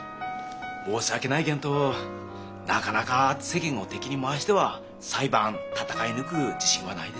申し訳ないげんとなかなか世間を敵に回しては裁判闘い抜く自信はないです。